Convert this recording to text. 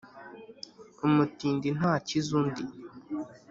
Umutindi ntakiza undi.